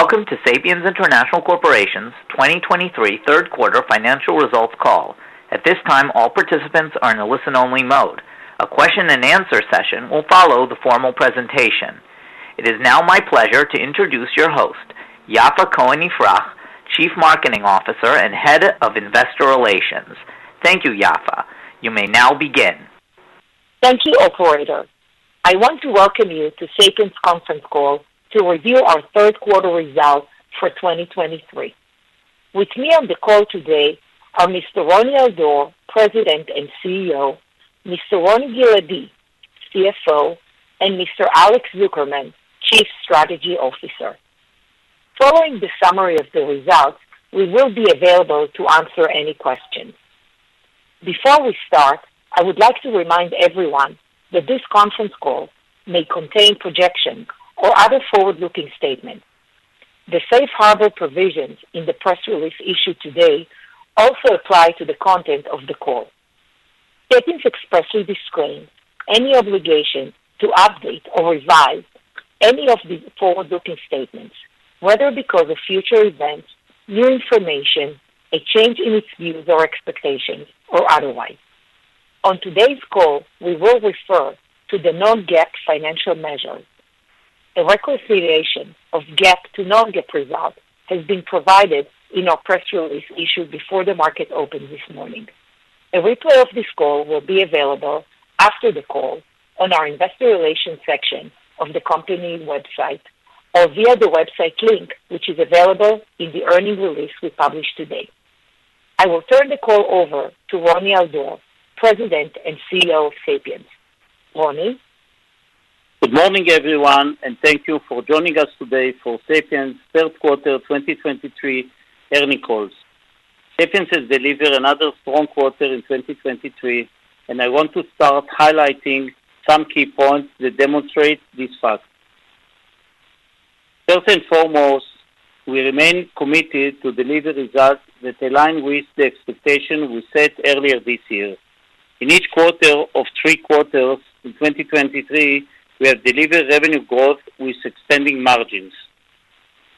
Welcome to Sapiens International Corporation's 2023 third quarter financial results call. At this time, all participants are in a listen-only mode. A Q&A session will follow the formal presentation. It is now my pleasure to introduce your host, Yaffa Cohen-Ifrah, Chief Marketing Officer and Head of Investor Relations. Thank you, Yaffa. You may now begin. Thank you, operator. I want to welcome you to Sapiens conference call to review our third quarter results for 2023. With me on the call today are Mr. Roni Al-Dor, President and CEO, Mr. Roni Giladi, CFO, and Mr. Alex Zukerman, Chief Strategy Officer. Following the summary of the results, we will be available to answer any questions. Before we start, I would like to remind everyone that this conference call may contain projections or other forward-looking statements. The safe harbor provisions in the press release issued today also apply to the content of the call. Sapiens expressly disclaims any obligation to update or revise any of these forward-looking statements, whether because of future events, new information, a change in its views or expectations, or otherwise. On today's call, we will refer to the non-GAAP financial measures. A reconciliation of GAAP to non-GAAP results has been provided in our press release issued before the market opened this morning. A replay of this call will be available after the call on our investor relations section of the company website or via the website link, which is available in the earnings release we published today. I will turn the call over to Roni Al-Dor, President and CEO of Sapiens. Roni? Good morning, everyone, and thank you for joining us today for Sapiens' third quarter 2023 earnings calls. Sapiens has delivered another strong quarter in 2023, and I want to start highlighting some key points that demonstrate this fact. First and foremost, we remain committed to deliver results that align with the expectation we set earlier this year. In each quarter of three quarters in 2023, we have delivered revenue growth with expanding margins.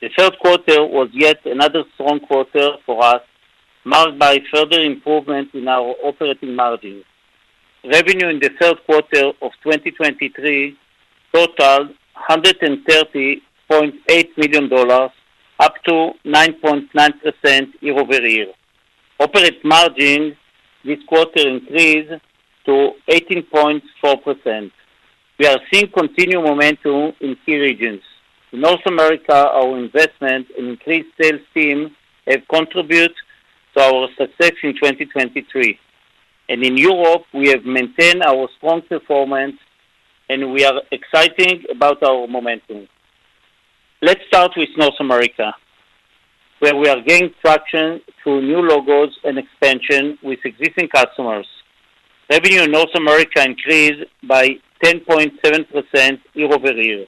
The third quarter was yet another strong quarter for us, marked by further improvement in our operating margin. Revenue in the third quarter of 2023 totaled $130.8 million, up to 9.9% year-over-year. Operating margin this quarter increased to 18.4%. We are seeing continued momentum in key regions. In North America, our investment in increased sales team have contributed to our success in 2023, and in Europe, we have maintained our strong performance, and we are excited about our momentum. Let's start with North America, where we are gaining traction through new logos and expansion with existing customers. Revenue in North America increased by 10.7% year-over-year.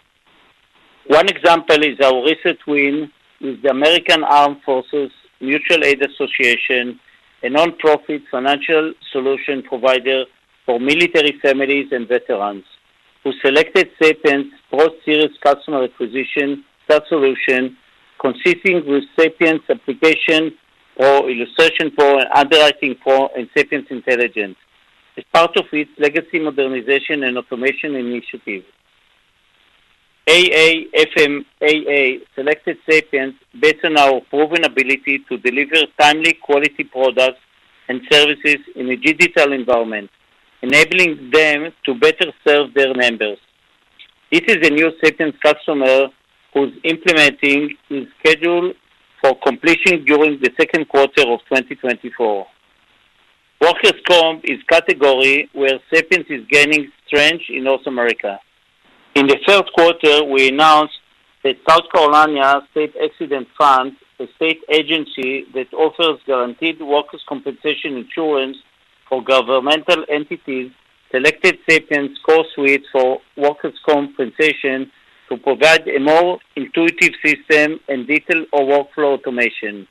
One example is our recent win with the American Armed Forces Mutual Aid Association, a nonprofit financial solution provider for military families and veterans, who selected Sapiens' Pro Series customer acquisition, SaaS solution, consisting of Sapiens Application, Illustration, UnderwritingPro, and Sapiens Intelligence, as part of its legacy modernization and automation initiative. AAFMAA selected Sapiens based on our proven ability to deliver timely, quality products and services in a digital environment, enabling them to better serve their members. This is a new Sapiens customer who's implementing in schedule for completion during the second quarter of 2024. Workers' comp is category where Sapiens is gaining strength in North America. In the third quarter, we announced that South Carolina State Accident Fund, a state agency that offers guaranteed workers' compensation insurance for governmental entities, selected Sapiens CoreSuite for workers' compensation to provide a more intuitive system and detail of workflow automation.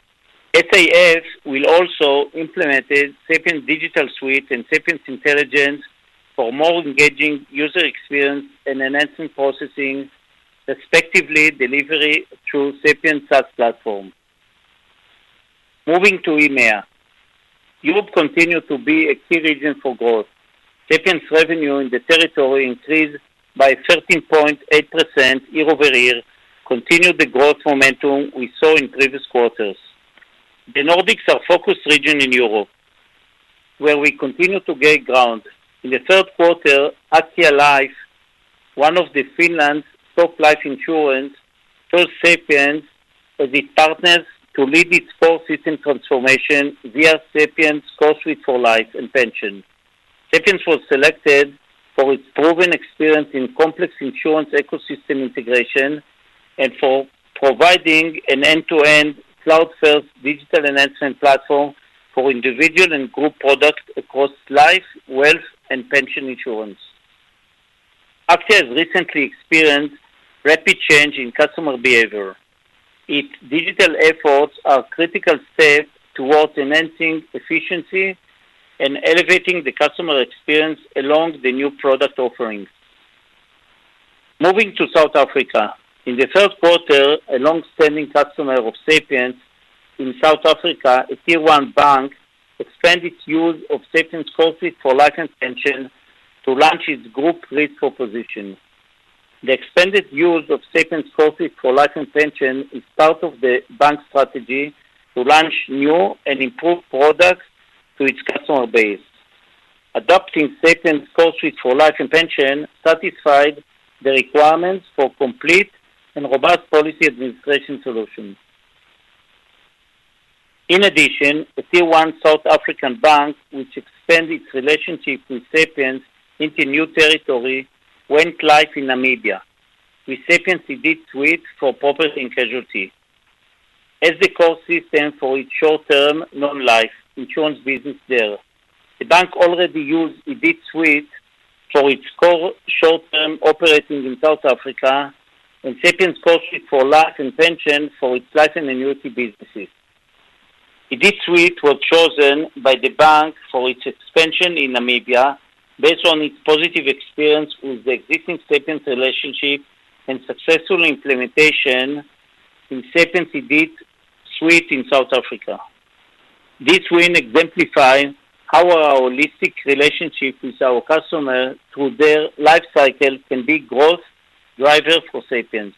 SAF will also implemented Sapiens Digital Suite and Sapiens Intelligence for more engaging user experience and enhancement processing, respectively, delivery through Sapiens SaaS platform. Moving to EMEA. Europe continued to be a key region for growth. Sapiens revenue in the territory increased by 13.8% year-over-year, continued the growth momentum we saw in previous quarters. The Nordics are focused region in Europe, where we continue to gain ground. In the third quarter, Aktia Life, one of Finland's top life insurance, chose Sapiens as its partner to lead its core system transformation via Sapiens CoreSuite for Life and Pension. Sapiens was selected for its proven experience in complex insurance ecosystem integration and for providing an end-to-end cloud-first digital enhancement platform for individual and group products across life, wealth, and pension insurance. Aktia has recently experienced rapid change in customer behavior. Its digital efforts are critical step towards enhancing efficiency and elevating the customer experience along the new product offerings. Moving to South Africa. In the first quarter, a long-standing customer of Sapiens in South Africa, a tier-one bank, expanded use of Sapiens CoreSuite for Life and Pension to launch its group risk proposition. The expanded use of Sapiens CoreSuite for Life and Pension is part of the bank's strategy to launch new and improved products to its customer base. Adopting Sapiens CoreSuite for Life and Pension satisfied the requirements for complete and robust policy administration solutions. In addition, a tier-one South African bank, which expanded its relationship with Sapiens into new territory, went live in Namibia with Sapiens IDITSuite for Property and Casualty. As the core system for its short-term non-life insurance business there, the bank already used IDITSuite for its core short-term operations in South Africa and Sapiens CoreSuite for Life and Pension for its life and annuity businesses. IDITSuite was chosen by the bank for its expansion in Namibia based on its positive experience with the existing Sapiens relationship and successful implementation in Sapiens IDITSuite in South Africa. This win exemplifies how our holistic relationship with our customer through their life cycle can be growth driver for Sapiens.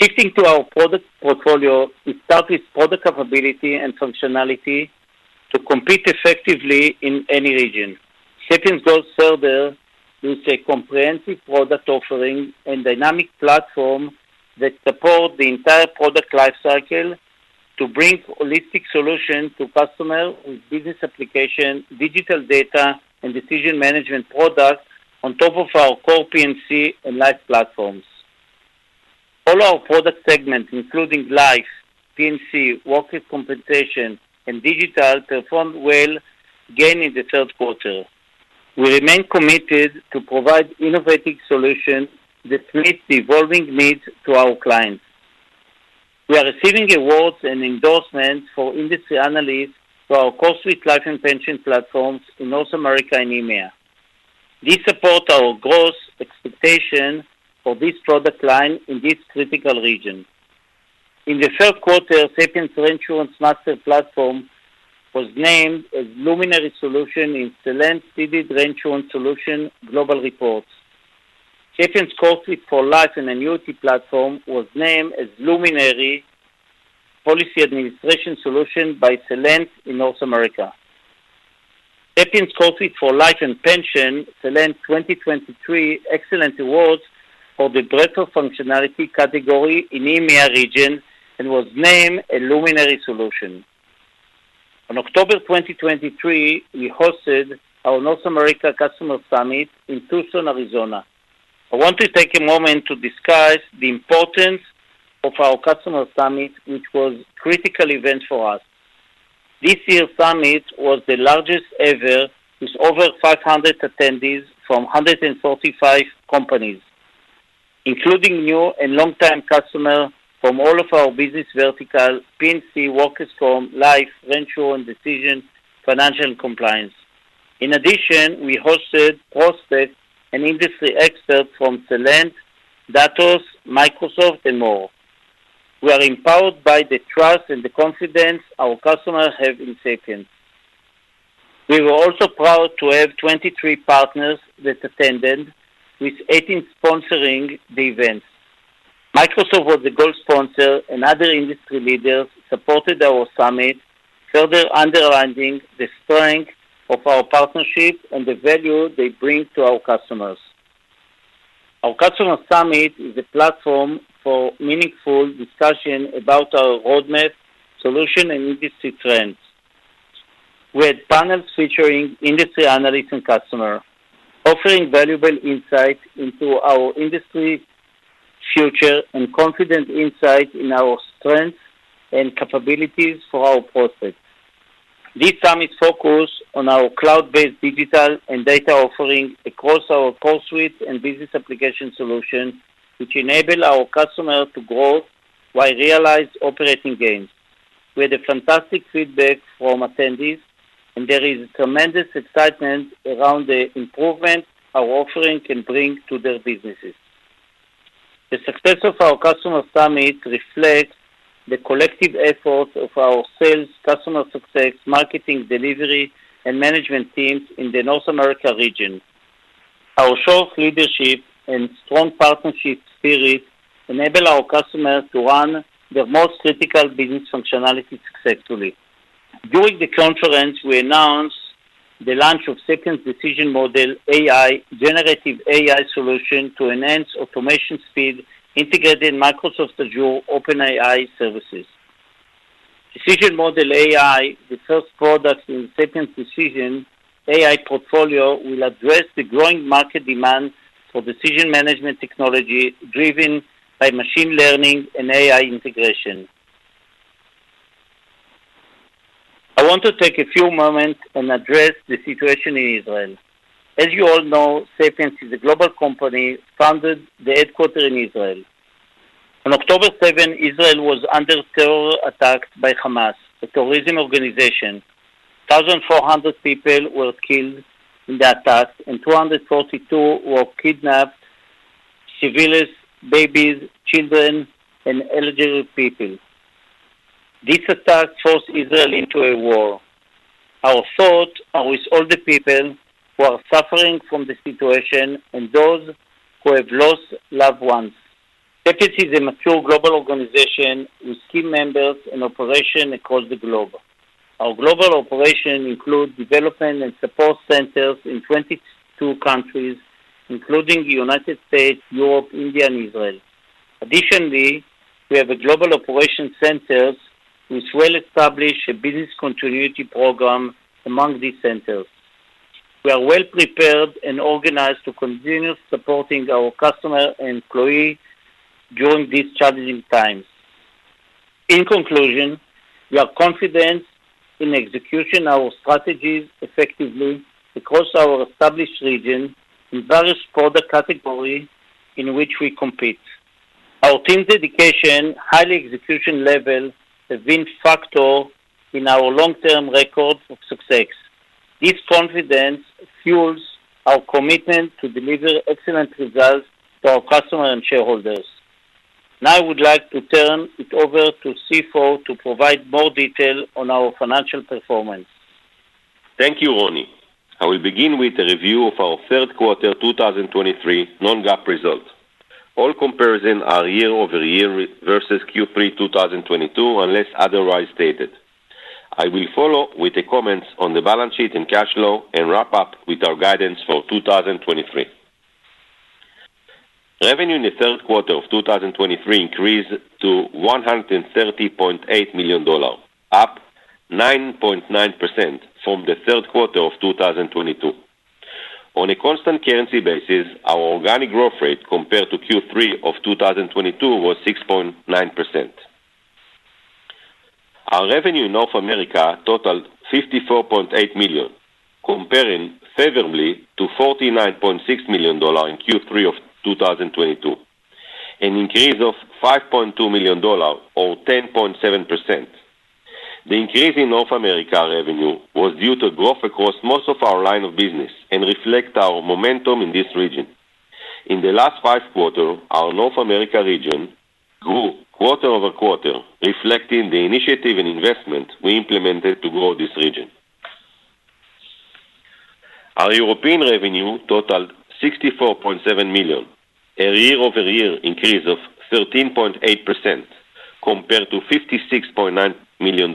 Shifting to our product portfolio, we start with product capability and functionality to compete effectively in any region. Sapiens goes further with a comprehensive product offering and dynamic platform that support the entire product life cycle to bring holistic solution to customer with business application, digital data, and decision management product on top of our core P&C and life platforms. All our product segments, including life, P&C, workers' compensation, and digital, performed well again in the third quarter. We remain committed to provide innovative solutions that meet the evolving needs to our clients. We are receiving awards and endorsements for industry analysts for our CoreSuite Life and Pension platforms in North America and EMEA. This support our growth expectation for this product line in this critical region. In the third quarter, Sapiens ReinsuranceMaster platform was named as Luminary Solution in Celent's Reinsurance Solution global report. Sapiens CoreSuite for Life and Annuity platform was named as Luminary Policy Administration Solution by Celent in North America. Sapiens CoreSuite for Life and Pension, Celent 2023 Excellence Awards for the Greater Functionality category in EMEA region and was named a Luminary Solution. On October 20, 2023, we hosted our North America Customer Summit in Tucson, Arizona. I want to take a moment to discuss the importance of our customer summit, which was a critical event for us. This year's summit was the largest ever, with over 500 attendees from 145 companies, including new and long-time customer from all of our business verticals, P&C, workers comp, life, reinsurance, and decision, financial, and compliance. In addition, we hosted prospects and industry experts from Celent, Datos, Microsoft, and more. We are empowered by the trust and the confidence our customers have in Sapiens. We were also proud to have 23 partners that attended, with 18 sponsoring the event. Microsoft was the gold sponsor, and other industry leaders supported our summit, further underlining the strength of our partnership and the value they bring to our customers. Our customer summit is a platform for meaningful discussion about our roadmap, solution, and industry trends. We had panels featuring industry analysts and customers, offering valuable insights into our industry's future and confident insight in our strengths and capabilities for our prospects. This summit focused on our cloud-based digital and data offerings across our CoreSuite and business application solutions, which enable our customers to grow while realize operating gains. We had a fantastic feedback from attendees, and there is tremendous excitement around the improvement our offering can bring to their businesses. The success of our customer summit reflects the collective efforts of our sales, customer success, marketing, delivery, and management teams in the North America region. Our strong leadership and strong partnership spirit enable our customers to run their most critical business functionality successfully. During the conference, we announced the launch of Sapiens Decision Model AI, generative AI solution to enhance automation speed, integrated Microsoft Azure OpenAI services. Decision Model AI, the first product in Sapiens Decision AI portfolio, will address the growing market demand for decision management technology driven by machine learning and AI integration. I want to take a few moments and address the situation in Israel. As you all know, Sapiens is a global company, founded the headquarter in Israel. On October 7, Israel was under terror attack by Hamas, a terrorism organization. 1,400 people were killed in the attack, and 242 were kidnapped, civilians, babies, children, and elderly people. This attack forced Israel into a war. Our thoughts are with all the people who are suffering from the situation and those who have lost loved ones. Sapiens is a mature global organization with key members and operations across the globe. Our global operations include development and support centers in 22 countries, including United States, Europe, India, and Israel. Additionally, we have global operations centers, which we have established a business continuity program among these centers. We are well prepared and organized to continue supporting our customers and employees during these challenging times. In conclusion, we are confident in executing our strategies effectively across our established regions in various product categories in which we compete. Our team's dedication, high execution level, have been factor in our long-term record of success. This confidence fuels our commitment to deliver excellent results to our customer and shareholders. Now, I would like to turn it over to CFO to provide more detail on our financial performance. Thank you, Roni. I will begin with a review of our third quarter 2023 non-GAAP results. All comparisons are year-over-year versus Q3 2022, unless otherwise stated. I will follow with the comments on the balance sheet and cash flow and wrap up with our guidance for 2023. Revenue in the third quarter of 2023 increased to $130.8 million, up 9.9% from the third quarter of 2022. On a constant currency basis, our organic growth rate compared to Q3 of 2022 was 6.9%. Our revenue in North America totaled $54.8 million, comparing favorably to $49.6 million in Q3 of 2022, an increase of $5.2 million, or 10.7%. The increase in North America revenue was due to growth across most of our line of business and reflect our momentum in this region. In the last five quarters, our North America region grew quarter-over-quarter, reflecting the initiative and investment we implemented to grow this region. Our European revenue totaled $64.7 million, a year-over-year increase of 13.8% compared to $56.9 million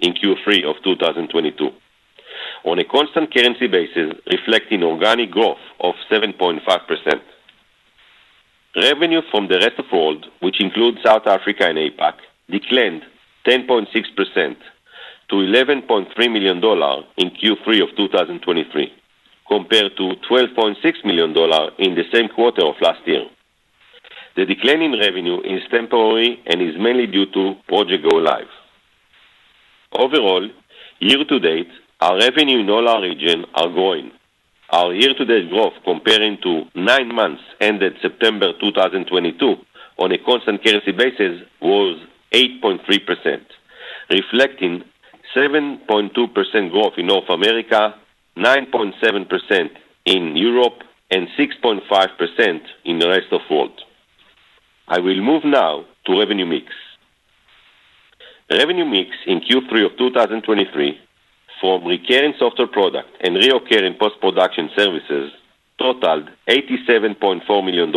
in Q3 of 2022. On a constant currency basis, reflecting organic growth of 7.5%. Revenue from the rest of world, which includes South Africa and APAC, declined 10.6% to $11.3 million in Q3 of 2023, compared to $12.6 million in the same quarter of last year. The decline in revenue is temporary and is mainly due to project go live. Overall, year to date, our revenue in all our region are growing. Our year-to-date growth, comparing to nine months, ended September 2022, on a constant currency basis, was 8.3%, reflecting 7.2% growth in North America, 9.7% in Europe, and 6.5% in the rest of world. I will move now to revenue mix. Revenue mix in Q3 of 2023 from recurring software product and reoccurring post-production services totaled $87.4 million,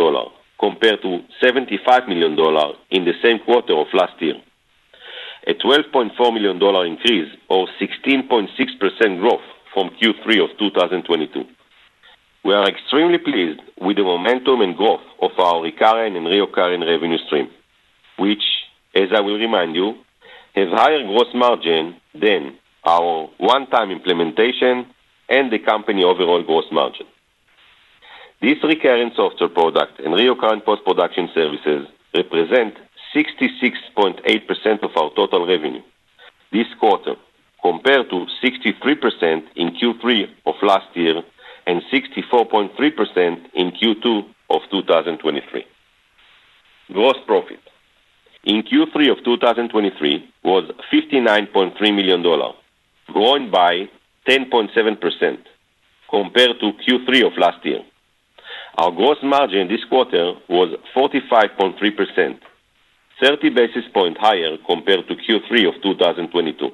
compared to $75 million in the same quarter of last year. A $12.4 million increase or 16.6% growth from Q3 of 2022. We are extremely pleased with the momentum and growth of our recurring and reoccurring revenue stream, which, as I will remind you, has higher gross margin than our one-time implementation and the company overall gross margin. These recurring software products and reoccurring post-production services represent 66.8% of our total revenue this quarter, compared to 63% in Q3 of last year and 64.3% in Q2 of 2023. Gross profit in Q3 of 2023 was $59.3 million, growing by 10.7% compared to Q3 of last year. Our gross margin this quarter was 45.3%, 30 basis points higher compared to Q3 of 2022.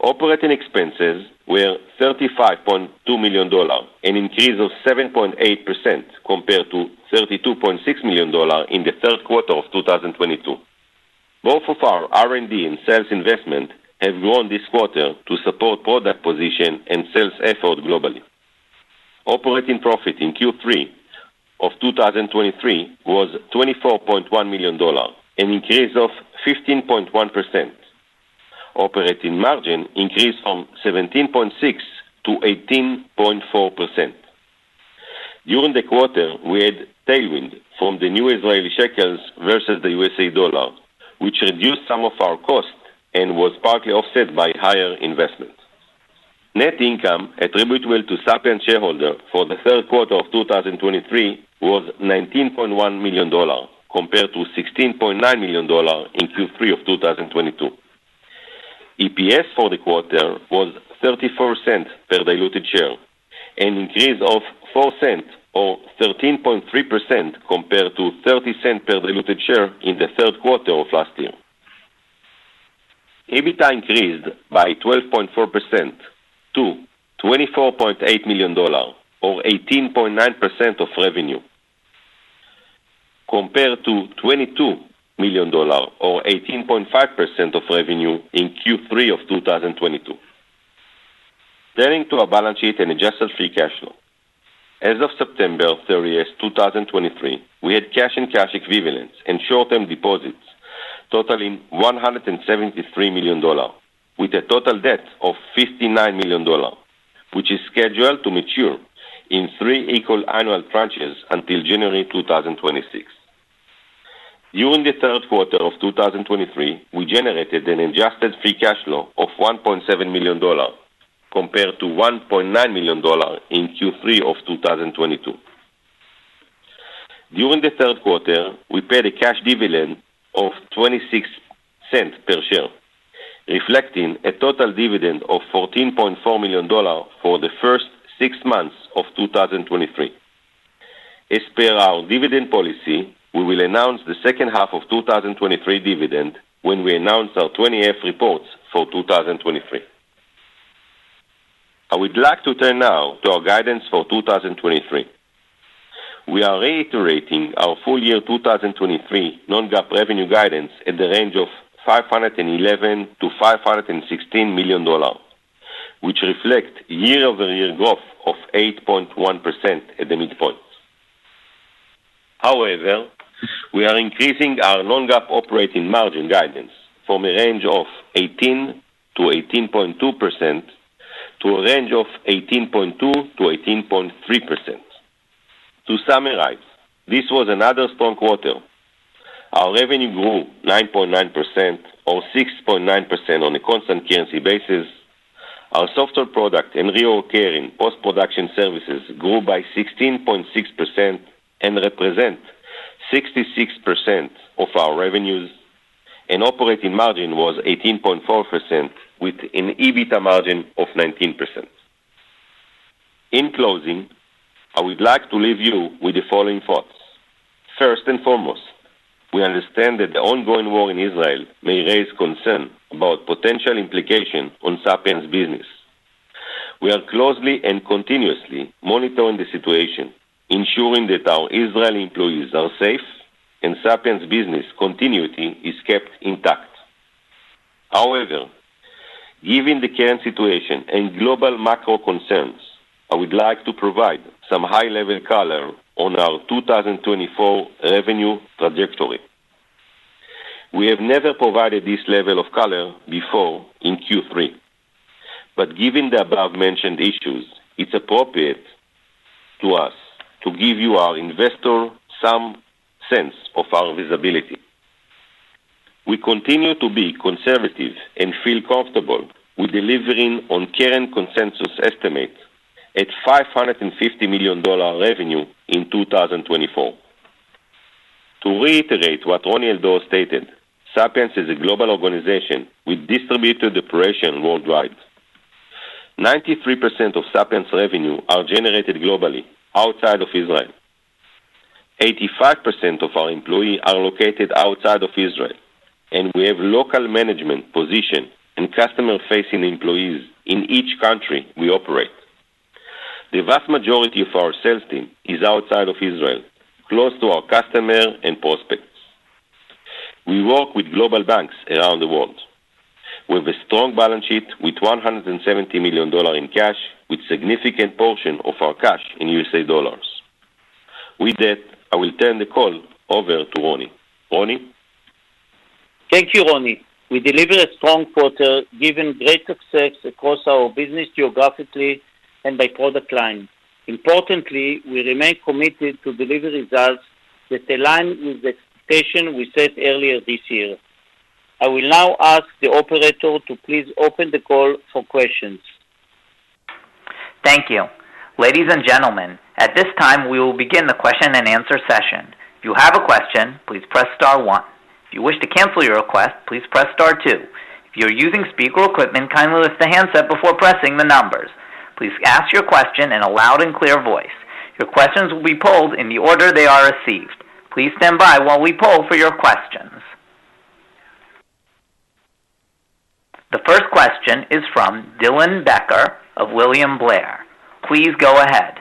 Operating expenses were $35.2 million, an increase of 7.8% compared to $32.6 million in the third quarter of 2022. Both of our R&D and sales investment have grown this quarter to support product position and sales effort globally. Operating profit in Q3 of 2023 was $24.1 million, an increase of 15.1%. Operating margin increased from 17.6% to 18.4%. During the quarter, we had tailwind from the new Israeli shekels versus the US dollar, which reduced some of our cost and was partly offset by higher investments. Net income attributable to Sapiens shareholders for the third quarter of 2023 was $19.1 million, compared to $16.9 million in Q3 of 2022. EPS for the quarter was $0.34 per diluted share, an increase of $0.04 or 13.3% compared to $0.30 per diluted share in the third quarter of last year. EBITDA increased by 12.4% to $24.8 million, or 18.9% of revenue, compared to $22 million or 18.5% of revenue in Q3 of 2022. Turning to our balance sheet and adjusted free cash flow. As of September 30, 2023, we had cash and cash equivalents and short-term deposits totaling $173 million, with a total debt of $59 million, which is scheduled to mature in 3 equal annual tranches until January 2026. During the third quarter of 2023, we generated an adjusted free cash flow of $1.7 million, compared to $1.9 million in Q3 of 2022. During the third quarter, we paid a cash dividend of $0.26 per share, reflecting a total dividend of $14.4 million for the first six months of 2023. As per our dividend policy, we will announce the second half of 2023 dividend when we announce our 20-F reports for 2023. I would like to turn now to our guidance for 2023. We are reiterating our full year 2023 non-GAAP revenue guidance in the range of $511 million-$516 million, which reflect year-over-year growth of 8.1% at the midpoint. However, we are increasing our non-GAAP operating margin guidance from a range of 18%-18.2% to a range of 18.2%-18.3%. To summarize, this was another strong quarter. Our revenue grew 9.9% or 6.9% on a constant currency basis. Our software product and reoccurring post-production services grew by 16.6% and represent 66% of our revenues, and operating margin was 18.4%, with an EBITDA margin of 19%. In closing, I would like to leave you with the following thoughts. First and foremost, we understand that the ongoing war in Israel may raise concern about potential implication on Sapiens' business. We are closely and continuously monitoring the situation, ensuring that our Israeli employees are safe and Sapiens' business continuity is kept intact. However, given the current situation and global macro concerns, I would like to provide some high-level color on our 2024 revenue trajectory. We have never provided this level of color before in Q3, but given the above-mentioned issues, it's appropriate to us to give you, our investor, some sense of our visibility. We continue to be conservative and feel comfortable with delivering on current consensus estimates at $550 million revenue in 2024. To reiterate what Roni Al-Dor stated, Sapiens is a global organization with distributed operations worldwide. 93% of Sapiens's revenue are generated globally outside of Israel. 85% of our employees are located outside of Israel, and we have local management positions and customer-facing employees in each country we operate. The vast majority of our sales team is outside of Israel, close to our customers and prospects. We work with global banks around the world. We have a strong balance sheet with $170 million in cash, with significant portion of our cash in U.S. dollars. With that, I will turn the call over to Roni. Roni? Thank you, Roni. We delivered a strong quarter, given great success across our business geographically and by product line. Importantly, we remain committed to deliver results that align with the expectation we set earlier this year. I will now ask the operator to please open the call for questions. Thank you. Ladies and gentlemen, at this time, we will begin the question-and-answer session. If you have a question, please press star one. If you wish to cancel your request, please press star two. If you are using speaker equipment, kindly lift the handset before pressing the numbers. Please ask your question in a loud and clear voice. Your questions will be polled in the order they are received. Please stand by while we poll for your questions. The first question is from Dylan Becker of William Blair. Please go ahead.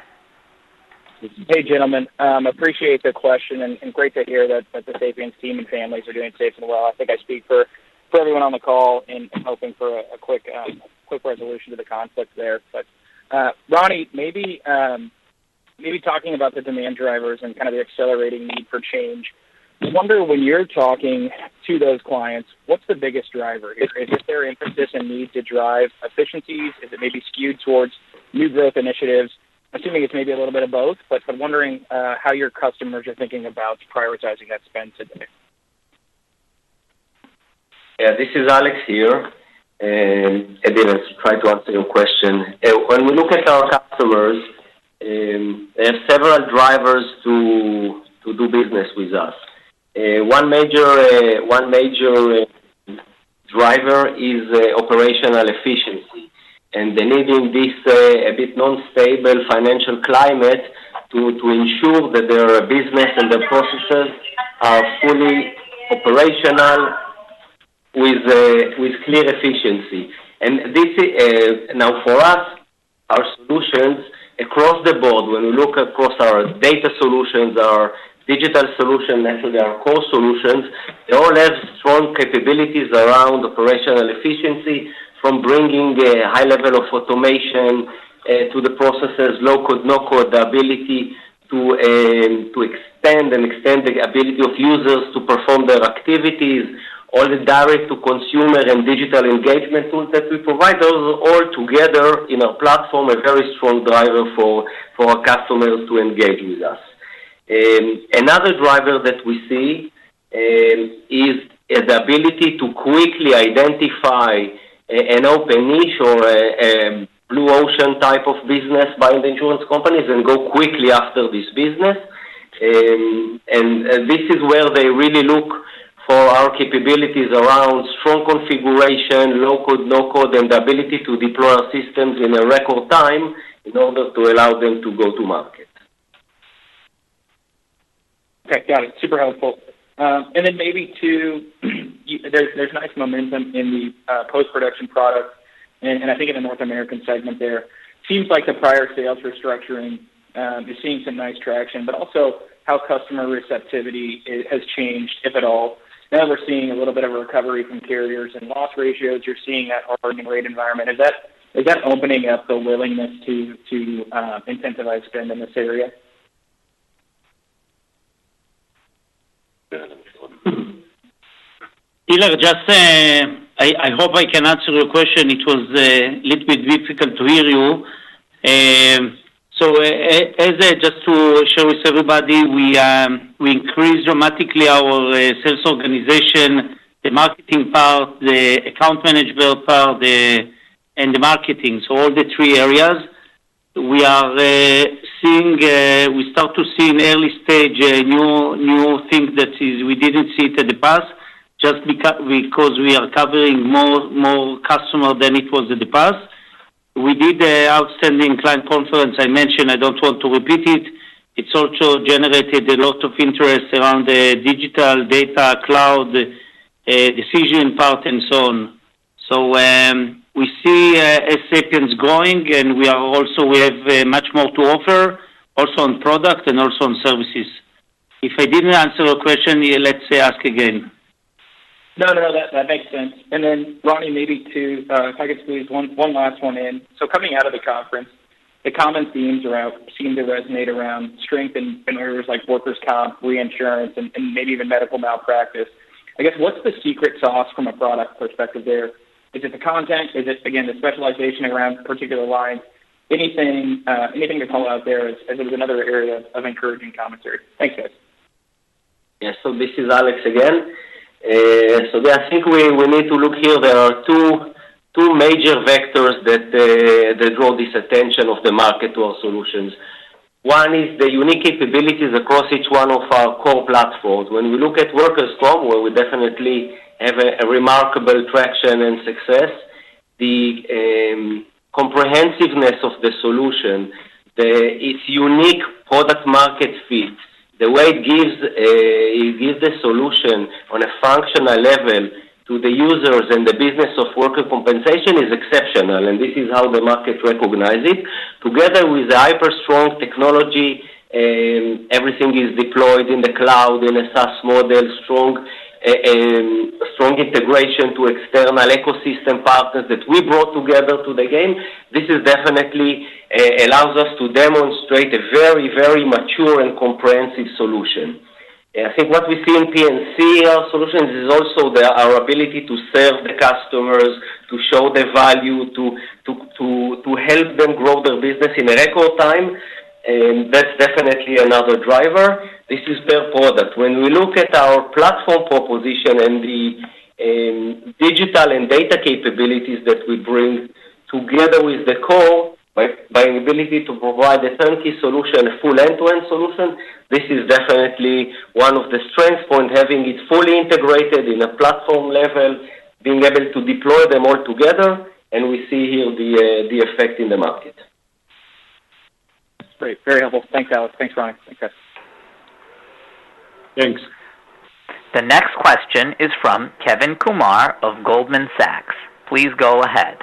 Hey, gentlemen. Appreciate the question, and great to hear that the Sapiens team and families are doing safe and well. I think I speak for everyone on the call in hoping for a quick resolution to the conflict there. But, Roni, maybe talking about the demand drivers and kind of the accelerating need for change. I wonder when you're talking to those clients, what's the biggest driver? Is there interest and need to drive efficiencies? Is it maybe skewed towards new growth initiatives? Assuming it's maybe a little bit of both, but I'm wondering how your customers are thinking about prioritizing that spend today? Yeah, this is Alex here. And, again, to try to answer your question, when we look at our customers, they have several drivers to, to do business with us. One major, one major driver is operational efficiency, and they need in this, a bit non-stable financial climate to, to ensure that their business and their processes are fully operational with, with clear efficiency. And this, now, for us, our solutions across the board, when we look across our data solutions, our digital solution, actually our core solutions, they all have strong capabilities around operational efficiency from bringing a high level of automation to the processes, low code, no code, the ability to, to expand and extend the ability of users to perform their activities, all the direct to consumer and digital engagement tools that we provide. Those are all together in a platform, a very strong driver for our customers to engage with us. Another driver that we see is the ability to quickly identify an open niche or a blue ocean type of business by the insurance companies and go quickly after this business. This is where they really look for our capabilities around strong configuration, low code, no code, and the ability to deploy our systems in a record time in order to allow them to go to market. Okay, got it. Super helpful. And then maybe too, there's nice momentum in the post-production product, and I think in the North American segment there. Seems like the prior sales restructuring is seeing some nice traction, but also how customer receptivity has changed, if at all. Now we're seeing a little bit of a recovery from carriers and loss ratios. You're seeing that hardening rate environment. Is that opening up the willingness to incentivize spend in this area? Just, I hope I can answer your question. It was little bit difficult to hear you. So as just to share with everybody, we we increased dramatically our sales organization, the marketing part, the account management part, and the marketing. So all the three areas, we are seeing, we start to see in early stage new things that is we didn't see it in the past, just because we are covering more customer than it was in the past. We did a outstanding client conference, I mentioned, I don't want to repeat it. It's also generated a lot of interest around the digital data, cloud, decision part, and so on. So, we see Sapiens growing, and we also have much more to offer, also on product and also on services. If I didn't answer your question, yeah, let's ask again. No, no, that, that makes sense. And then, Roni, maybe to, if I could squeeze one, one last one in. So coming out of the conference, the common themes around seem to resonate around strength in, in areas like workers' comp, reinsurance, and, and maybe even medical malpractice. I guess, what's the secret sauce from a product perspective there? Is it the content? Is it, again, the specialization around particular lines? Anything, anything to call out there as, as another area of encouraging commentary? Thanks, guys. Yes. So this is Alex again. So I think we need to look here. There are two major vectors that draw this attention of the market to our solutions. One is the unique capabilities across each one of our core platforms. When we look at workers' comp, where we definitely have a remarkable traction and success, the comprehensiveness of the solution, the, its unique product market fit, the way it gives the solution on a functional level to the users and the business of worker compensation is exceptional, and this is how the market recognize it. Together with the hyper-strong technology, everything is deployed in the cloud, in a SaaS model, strong integration to external ecosystem partners that we brought together to the game. This is definitely allows us to demonstrate a very, very mature and comprehensive solution. I think what we see in P&C, our solutions, is also the, our ability to serve the customers, to show the value, to help them grow their business in a record time, and that's definitely another driver. This is per product. When we look at our platform proposition and the, digital and data capabilities that we bring together with the core, by ability to provide a turnkey solution, a full end-to-end solution, this is definitely one of the strength point, having it fully integrated in a platform level, being able to deploy them all together, and we see here the, the effect in the market. Great. Very helpful. Thanks, Alex. Thanks, Roni. Okay. Thanks. The next question is from Kevin Kumar of Goldman Sachs. Please go ahead.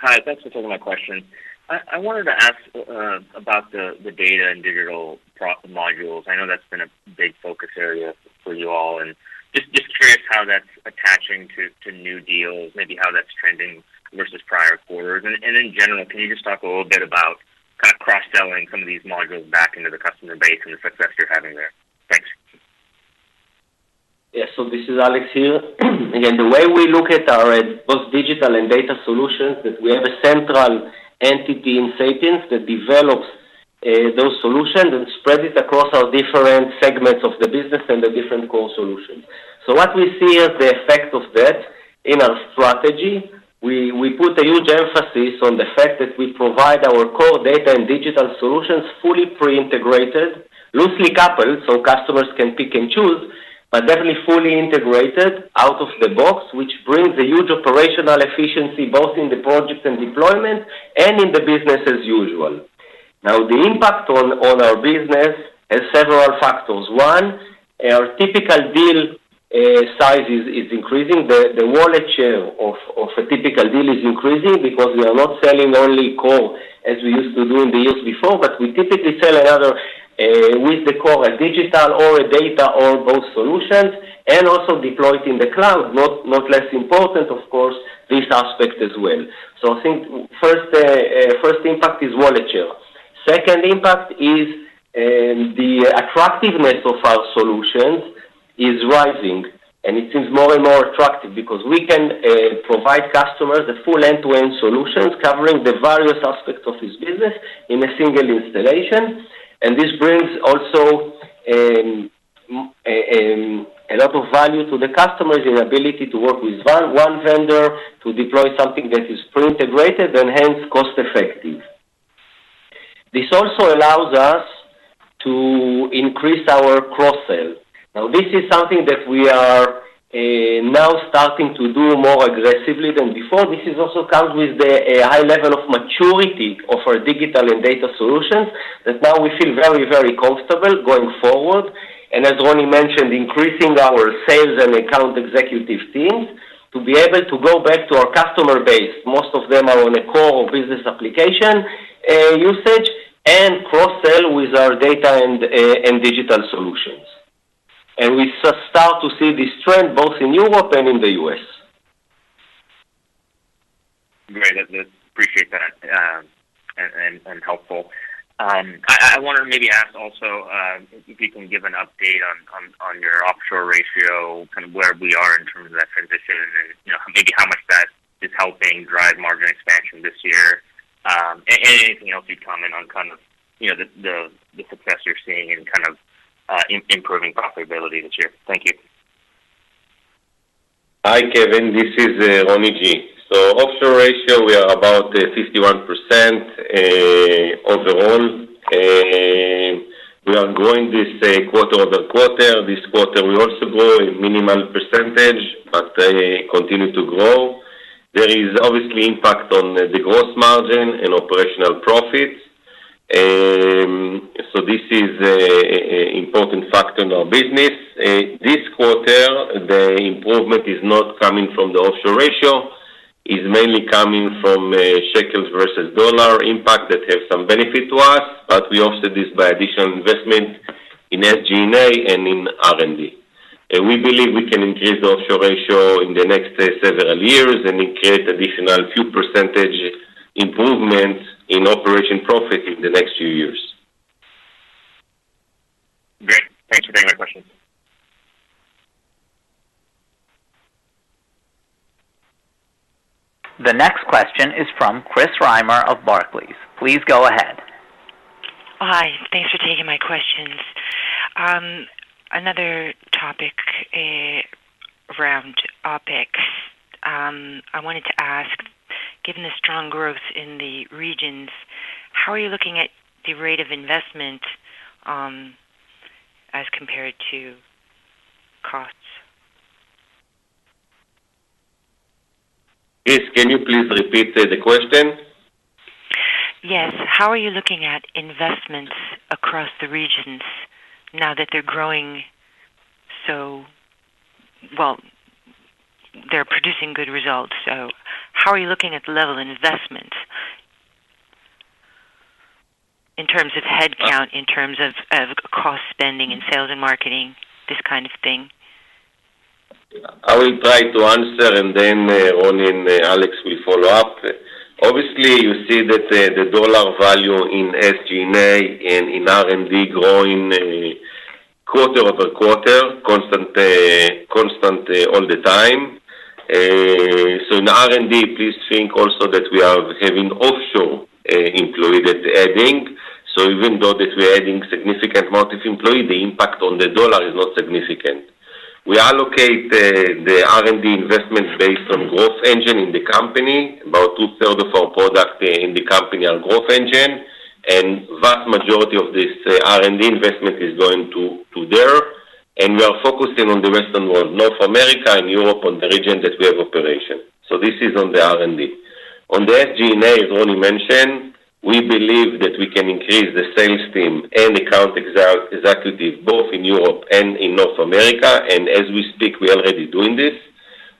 Hi, thanks for taking my question. I wanted to ask about the data and digital pro modules. I know that's been a big focus area for you all, and just curious how that's attaching to new deals, maybe how that's trending versus prior quarters. And in general, can you just talk a little bit about kind of cross-selling some of these modules back into the customer base and the success you're having there? Thanks. Yes. So this is Alex here. Again, the way we look at our both digital and data solutions, that we have a central entity in Sapiens that develops those solutions and spread it across our different segments of the business and the different core solutions. So what we see as the effect of that in our strategy, we put a huge emphasis on the fact that we provide our core data and digital solutions fully pre-integrated, loosely coupled, so customers can pick and choose, but definitely fully integrated out of the box, which brings a huge operational efficiency, both in the project and deployment and in the business as usual. Now, the impact on our business has several factors. One, our typical deal size is increasing. The wallet share of a typical deal is increasing because we are not selling only core as we used to do in the years before, but we typically sell another with the core, a digital or a data or both solutions, and also deployed in the cloud. Not less important, of course, this aspect as well. So I think first impact is wallet share. Second impact is the attractiveness of our solutions is rising, and it seems more and more attractive because we can provide customers the full end-to-end solutions, covering the various aspects of this business in a single installation. And this brings also a lot of value to the customers, the ability to work with one vendor to deploy something that is pre-integrated and hence, cost-effective. This also allows us to increase our cross-sell. Now, this is something that we are now starting to do more aggressively than before. This is also comes with the high level of maturity of our digital and data solutions, that now we feel very, very comfortable going forward. And as Roni mentioned, increasing our sales and account executive teams to be able to go back to our customer base. Most of them are on a core business application usage and cross-sell with our data and digital solutions. And we start to see this trend both in Europe and in the U.S. Great. I appreciate that, and helpful. I wanted to maybe ask also, if you can give an update on your offshore ratio, kind of where we are in terms of that transition and, you know, maybe how much that is helping drive margin expansion this year. And anything else you'd comment on, kind of, you know, the success you're seeing in kind of, improving profitability this year. Thank you. Hi, Kevin, this is Roni G. So offshore ratio, we are about 51% overall. We are growing this quarter-over-quarter. This quarter, we also grow a minimal percentage, but continue to grow. There is obviously impact on the gross margin and operational profits, so this is a important factor in our business. This quarter, the improvement is not coming from the offshore ratio, is mainly coming from shekels versus dollar impact that have some benefit to us, but we offset this by additional investment in SG&A and in R&D. And we believe we can increase the offshore ratio in the next several years and increase additional few percentage improvement in operation profit in the next few years. Great. Thanks for taking my questions. The next question is from Chris Reimer of Barclays. Please go ahead. Hi, thanks for taking my questions. Another topic, around OpEx. I wanted to ask, given the strong growth in the regions, how are you looking at the rate of investment, as compared to costs? Chris, can you please repeat the question? Yes. How are you looking at investments across the regions now that they're growing so... Well, they're producing good results, so how are you looking at the level of investment in terms of headcount, in terms of cost spending and sales and marketing, this kind of thing? I will try to answer, and then Roni and Alex will follow up. Obviously, you see that the dollar value in SG&A and in R&D growing quarter-over-quarter, constantly all the time. So in R&D, please think also that we are having offshore employee that adding. So even though that we are adding significant amount of employee, the impact on the dollar is not significant. We allocate the R&D investments based on growth engine in the company. About two-thirds of our products in the company are growth engine, and vast majority of this R&D investment is going to there, and we are focusing on the western world, North America and Europe, on the region that we have operation. So this is on the R&D. On the SG&A, as Roni mentioned, we believe that we can increase the sales team and account executive, both in Europe and in North America, and as we speak, we are already doing this.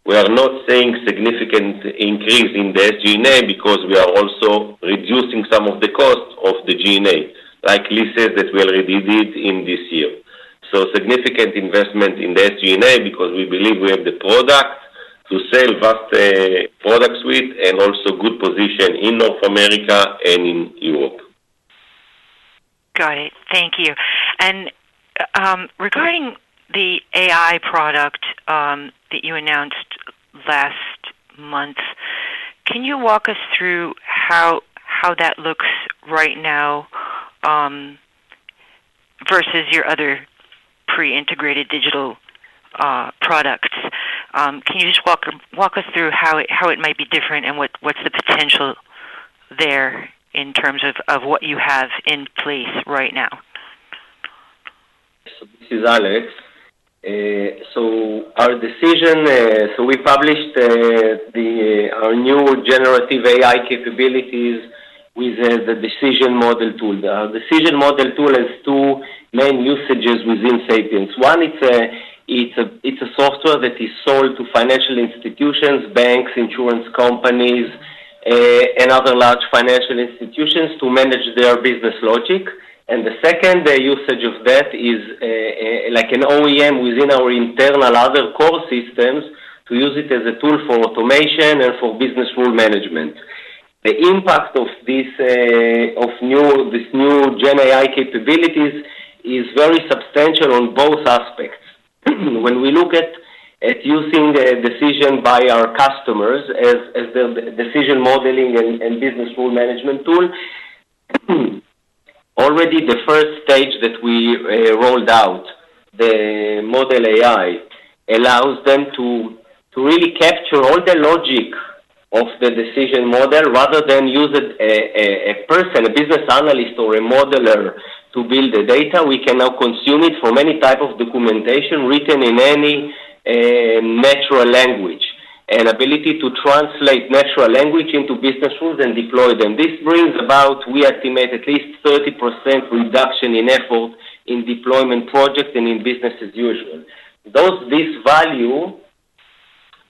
We are not seeing significant increase in the SG&A because we are also reducing some of the costs of the G&A, like leases, that we already did in this year. So significant investment in the SG&A because we believe we have the product to sell vast product suite and also good position in North America and in Europe. Got it. Thank you. And, regarding the AI product that you announced last month. Can you walk us through how that looks right now versus your other pre-integrated digital products? Can you just walk us through how it might be different and what's the potential there in terms of what you have in place right now? So this is Alex. So our decision, so we published our new generative AI capabilities with the decision model tool. The decision model tool has two main usages within Sapiens. One, it's a software that is sold to financial institutions, banks, insurance companies, and other large financial institutions to manage their business logic. And the second, the usage of that is like an OEM within our internal other core systems, to use it as a tool for automation and for business rule management. The impact of this new Gen AI capabilities is very substantial on both aspects. When we look at using the decision by our customers as the decision modeling and business rule management tool, already the first stage that we rolled out, the Model AI, allows them to really capture all the logic of the decision model, rather than use a person, a business analyst or a modeler to build the data. We can now consume it from any type of documentation written in any natural language, and ability to translate natural language into business rules and deploy them. This brings about, we estimate, at least 30% reduction in effort in deployment projects and in business as usual. This value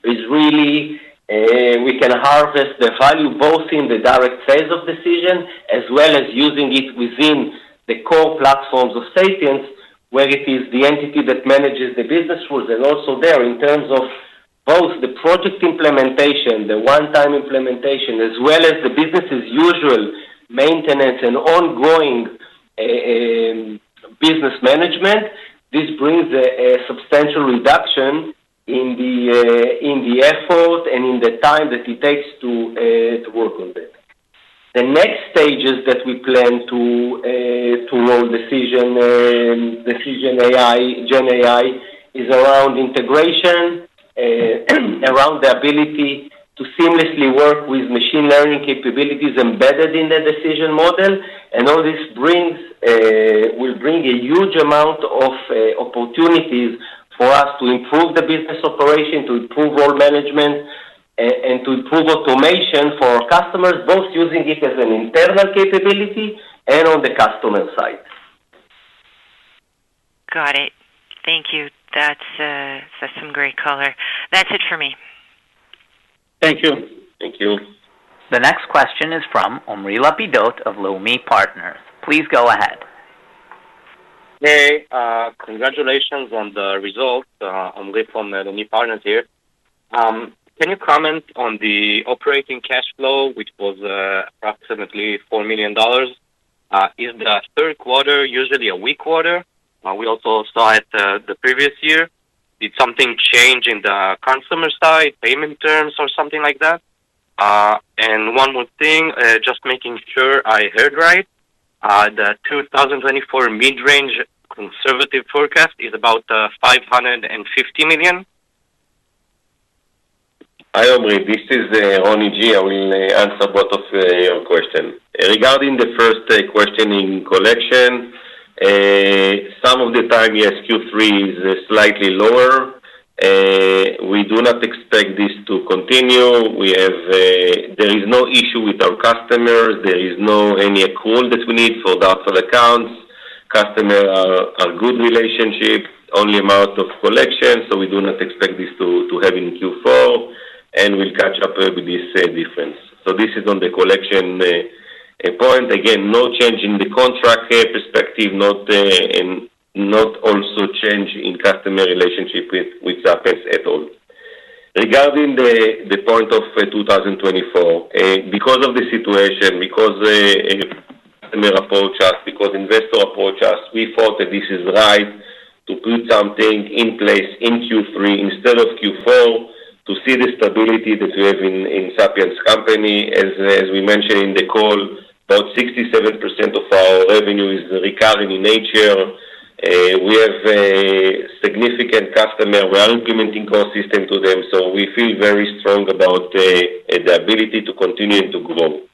is really, we can harvest the value both in the direct sales of Decision as well as using it within the core platforms of Sapiens, where it is the entity that manages the business rules. And also there, in terms of both the project implementation, the one-time implementation, as well as the business as usual maintenance and ongoing, business management. This brings a substantial reduction in the effort and in the time that it takes to work on that. The next stages that we plan to roll Decision, Decision AI, Gen AI, is around integration, around the ability to seamlessly work with machine learning capabilities embedded in the decision model. All this will bring a huge amount of opportunities for us to improve the business operation, to improve role management, and to improve automation for our customers, both using it as an internal capability and on the customer side. Got it. Thank you. That's, that's some great color. That's it for me. Thank you. Thank you. The next question is from Omri Lapidot of Leumi Partners. Please go ahead. Hey, congratulations on the results. Omri from Leumi Partners here. Can you comment on the operating cash flow, which was, approximately $4 million? Is the third quarter usually a weak quarter? We also saw it, the previous year. Did something change in the consumer side, payment terms or something like that? And one more thing, just making sure I heard right. The 2024 mid-range conservative forecast is about, $550 million? Hi, Omri, this is Roni G. I will answer both of your question. Regarding the first question in collection, some of the time, yes, Q3 is slightly lower. We do not expect this to continue. We have... There is no issue with our customers. There is no any call that we need for doubtful accounts. Customers are good relationship, only amount of collection, so we do not expect this to have in Q4, and we'll catch up with this difference. So this is on the collection point. Again, no change in the contract perspective, not and not also change in customer relationship with Sapiens at all. Regarding the point of 2024, because of the situation, because customer approach us, because investor approach us, we thought that this is right to put something in place in Q3 instead of Q4, to see the stability that we have in Sapiens company. As we mentioned in the call, about 67% of our revenue is recurring in nature. We have a significant customer. We are implementing our system to them, so we feel very strong about the ability to continue to grow.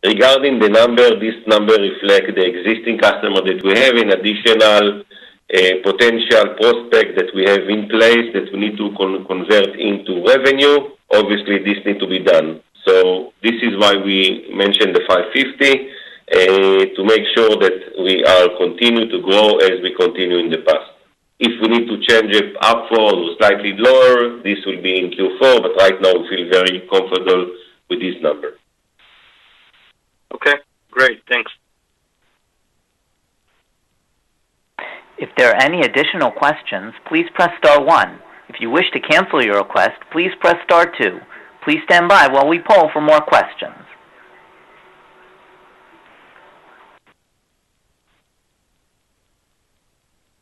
Regarding the number, this number reflect the existing customer that we have an additional potential prospect that we have in place, that we need to convert into revenue. Obviously, this need to be done. So this is why we mentioned the $550 to make sure that we are continuing to grow as we continue in the past. If we need to change it upfront or slightly lower, this will be in Q4, but right now we feel very comfortable with this number. Okay, great. Thanks. If there are any additional questions, please press star one. If you wish to cancel your request, please press star two. Please stand by while we poll for more questions.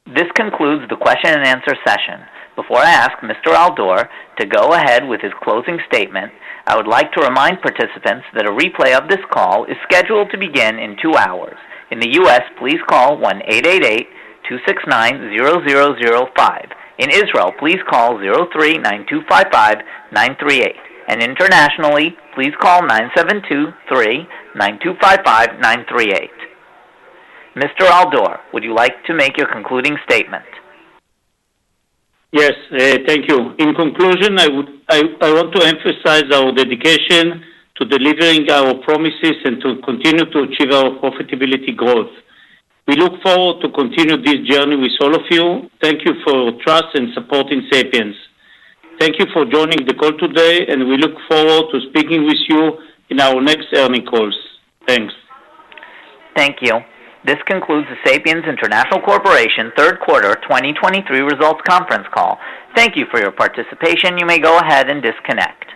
This concludes the question and answer session. Before I ask Mr. Al-Dor to go ahead with his closing statement, I would like to remind participants that a replay of this call is scheduled to begin in 2 hours. In the US, please call 1-888-269-005. In Israel, please call 03-925-5938, and internationally, please call 972-3-925-5938. Mr. Al-Dor, would you like to make your concluding statement? Yes, thank you. In conclusion, I want to emphasize our dedication to delivering our promises and to continue to achieve our profitability growth. We look forward to continue this journey with all of you. Thank you for your trust and support in Sapiens. Thank you for joining the call today, and we look forward to speaking with you in our next earnings calls. Thanks. Thank you. This concludes the Sapiens International Corporation third quarter 2023 results conference call. Thank you for your participation. You may go ahead and disconnect.